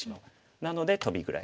なのでトビぐらい。